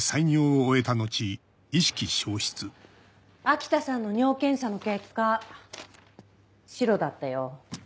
秋田さんの尿検査の結果シロだったよ。